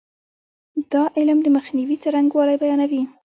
دا علم د مخنیوي څرنګوالی بیانوي.